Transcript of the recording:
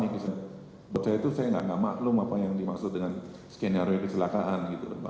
buat saya itu saya nggak maklum apa yang dimaksud dengan skenario kecelakaan